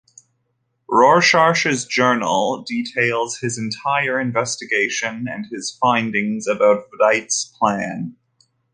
Rorschach's journal details his entire investigation and his findings about Veidt's plan.